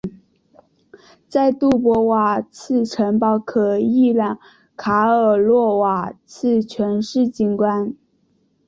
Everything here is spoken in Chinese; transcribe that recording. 在杜波瓦茨城堡可一览卡尔洛瓦茨全市景观。